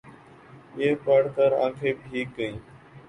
یہ پڑھ کر آنکھیں بھیگ گئیں۔